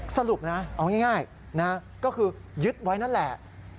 สรุปนะเอาง่ายก็คือยึดไว้นั่นแหละ